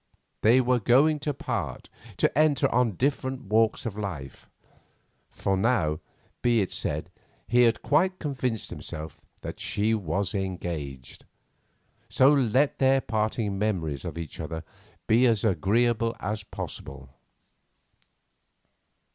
They were going to part, to enter on different walks of life—for now, be it said, he had quite convinced himself that she was engaged—so let their parting memories of each other be as agreeable as possible.